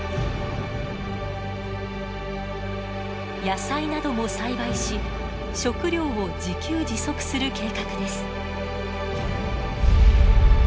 野菜なども栽培し食料を自給自足する計画です。